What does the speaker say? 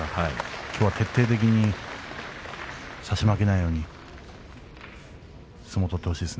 きょうは徹底的に差し負けないように相撲を取ってほしいです。